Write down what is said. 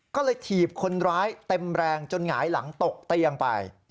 ก็เลยถีบคนร้ายเต็มแรงจนหงายหลังตกเตียงไป